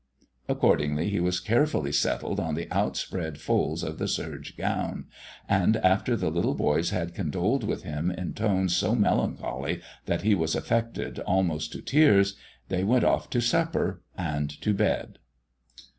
Accordingly he was carefully settled on the outspread folds of the serge gown; and after the little boys had condoled with him in tones so melancholy that he was affected almost to tears, they went off to supper and to bed.